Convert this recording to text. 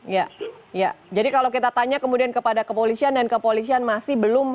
ya jadi kalau kita tanya kemudian kepada kepolisian dan kepolisian masih belum